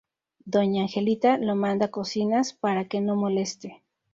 Doña Angelita lo manda a cocinas para que no moleste.